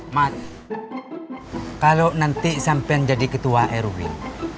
mat kalo nanti sampean jadi ketua erwin